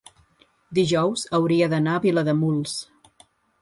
dijous hauria d'anar a Vilademuls.